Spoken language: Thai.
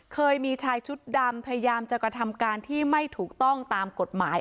เคยมีชายชุดดำพยายามจะกระทำการที่ไม่ถูกต้องตามกฎหมาย